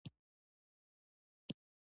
غوټۍ د مرور ماشوم غوندې په خټو کې لغتې وهلې.